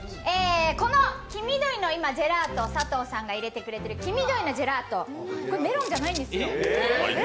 佐藤さんが入れてくれている黄緑のジェラート、これメロンじゃないんですよ。